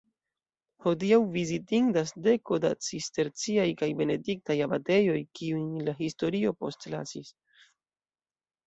Hodiaŭ vizitindas deko da cisterciaj kaj benediktaj abatejoj, kiujn la historio postlasis.